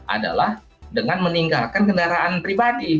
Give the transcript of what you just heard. adalah dengan meninggalkan kendaraan pribadi